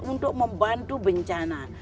untuk membantu bencana